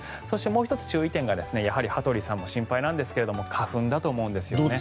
そしてもう１つ、注意点がやはり羽鳥さんも心配なんですが花粉だと思うんです。